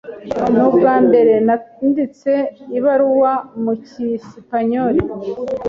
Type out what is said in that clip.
Ni ubwambere nanditse ibaruwa mu cyesipanyoli.